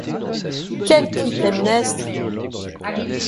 Quelle Clytemnestre !